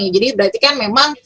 jadi berarti kan memang